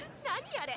あれ。